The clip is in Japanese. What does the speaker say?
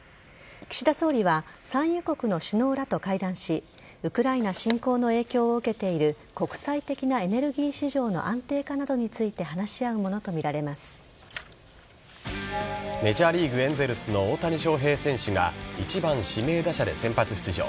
岸田総理は産油国の首脳らと会談しウクライナ侵攻の影響を受けている国際的なエネルギー市場の安定化などについてメジャーリーグエンゼルスの大谷翔平選手が１番・指名打者で先発出場。